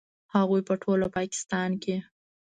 هغوی په ټول پاکستان کې